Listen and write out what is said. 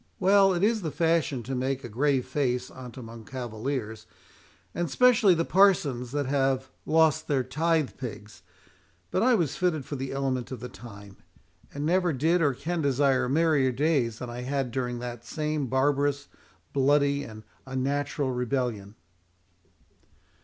Well, it is the fashion to make a grave face on't among cavaliers, and specially the parsons that have lost their tithe pigs; but I was fitted for the element of the time, and never did or can desire merrier days than I had during that same barbarous, bloody, and unnatural rebellion."